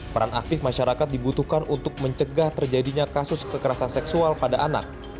peran aktif masyarakat dibutuhkan untuk mencegah terjadinya kasus kekerasan seksual pada anak